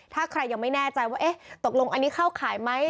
ถ้าใครยังไม่แน่ใจว่าเอ๊ะตกลงอันนี้เข้าขายไหม